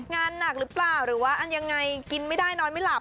งานหนักหรือเปล่าหรือว่าอันยังไงกินไม่ได้นอนไม่หลับ